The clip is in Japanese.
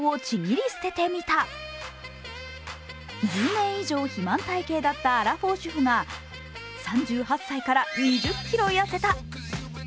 １０年以上肥満体型だったアラフォー主婦が３８歳から２０ｋｇ痩せた。